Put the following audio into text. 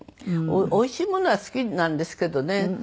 おいしいものは好きなんですけどね